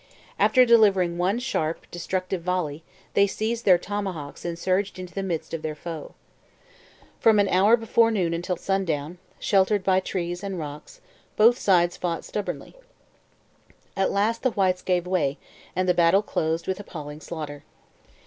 After delivering one sharp, destructive volley, they seized their tomahawks and surged into the midst of their foe. From an hour before noon until sundown, sheltered by trees and rocks, both sides fought stubbornly. At last the whites gave way, and the battle closed with appalling slaughter.